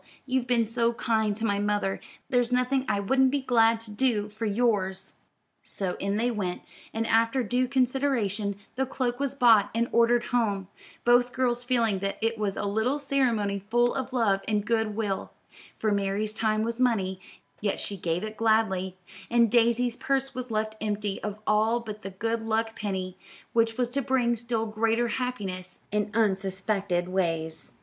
You've been so kind to my mother, there's nothing I wouldn't be glad to do for yours." So in they went, and after due consideration, the cloak was bought and ordered home, both girls feeling that it was a little ceremony full of love and good will; for Mary's time was money, yet she gave it gladly, and Daisy's purse was left empty of all but the good luck penny, which was to bring still greater happiness in unsuspected ways.